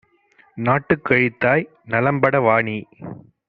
நாட்டுக் கழித்தாய் நலம்பட வாநீ